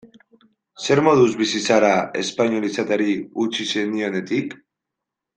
Zer moduz bizi zara espainol izateari utzi zenionetik?